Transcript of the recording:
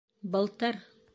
Былтыр!..